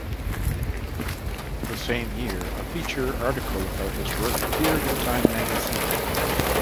The same year, a feature article about his work appeared in Time Magazine.